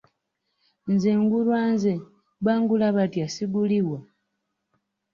Nze ngulwa nze, bangula batya, sigulibwa.